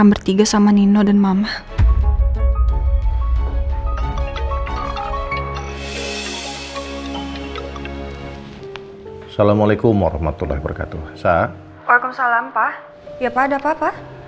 ya pak ada apa apa